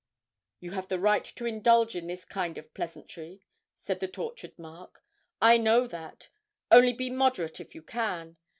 'You have the right to indulge in this kind of pleasantry,' said the tortured Mark; 'I know that only be moderate if you can.